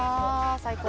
最高